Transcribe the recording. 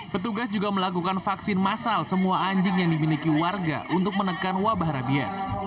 petugas juga melakukan vaksin masal semua anjing yang dimiliki warga untuk menekan wabah rabies